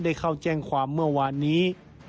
เข้าแจ้งความเมื่อวานนี้